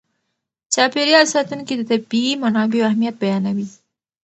چاپېر یال ساتونکي د طبیعي منابعو اهمیت بیانوي.